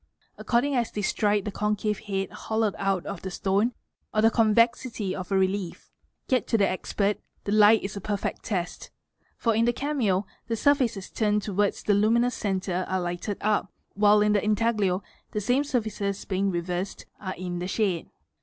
according as they strike the concave head hollowed out of the stone c the convexity of a relief. Yet to the expert, the light is a perfect test for in the cameo the surfaces turned towards the luminous centre at lighted up, while in the intaglio the same surfaces being reversed, are ir shade.